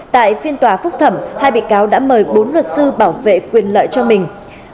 tại phiên tòa phúc thẩm hai bị cáo đã mời bốn luật sư bảo vệ quyền lợi cho mình